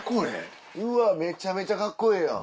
うわめちゃめちゃカッコええやん。